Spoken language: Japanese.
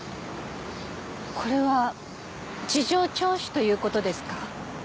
これは事情聴取という事ですか？